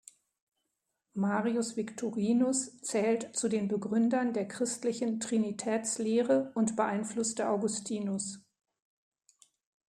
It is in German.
Marius Victorinus zählt zu den Begründern der christlichen Trinitätslehre und beeinflusste Augustinus.